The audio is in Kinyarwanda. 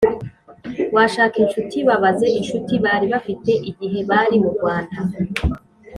washaka incuti Babaze incuti bari bafite igihe bari murwanda